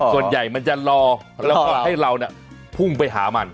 ส่วนใหญ่มันจะรอแล้วก็ให้เราพุ่งไปหามัน